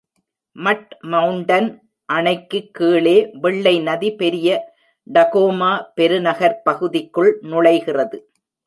மட் மவுண்டன் அணைக்கு கீழே வெள்ளை நதி பெரிய டகோமா பெருநகரப் பகுதிக்குள் நுழைகிறது.